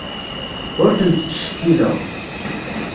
Ur tent-ttcekkileɣ.